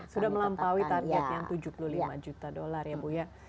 sudah melampaui target yang tujuh puluh lima juta dolar ya bu ya